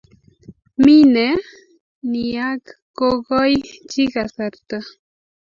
mii nee ni yak kogoi chii kasarta